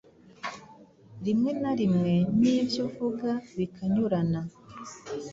Rimwe na rimwe n'ivy'uvuga bikanyurana